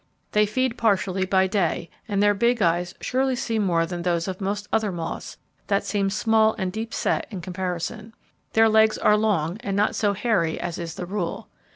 They feed partially by day, and their big eyes surely see more than those of most other moths, that seem small and deepset in comparison. Their legs are long, and not so hairy as is the rule.